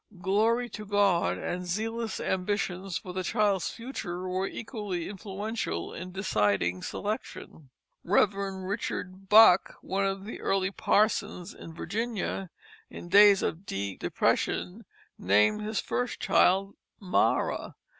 Glory to God and zealous ambition for the child's future were equally influential in deciding selection. [Illustration: Townes Cradle] Rev. Richard Buck, one of the early parsons in Virginia, in days of deep depression named his first child Mara.